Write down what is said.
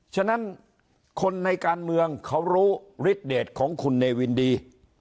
ฉะนั้นคนในการเมืองเขารู้ฤทธเดทของคุณเนวินดี